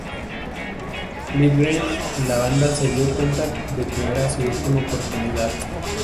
Livgren y la banda se dio cuenta de que era su última oportunidad.